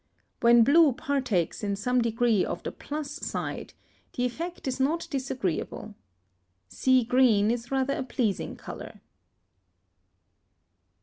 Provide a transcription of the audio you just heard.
When blue partakes in some degree of the plus side, the effect is not disagreeable. Sea green is rather a pleasing colour.